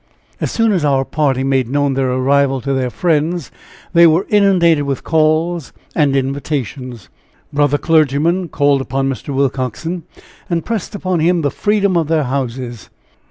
As soon as our party made known their arrival to their friends, they were inundated with calls and invitations. Brother clergymen called upon Mr. Willcoxen, and pressed upon him the freedom of their houses.